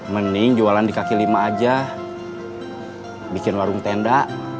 mending jualan di kaki lima aja bikin warung tenda